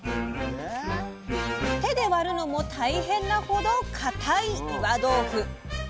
手で割るのも大変なほど固い岩豆腐。